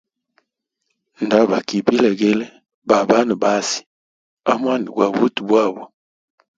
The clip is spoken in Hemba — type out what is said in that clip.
Nda baki bilegele ba banabazi a mwanda gwa buti bwabo.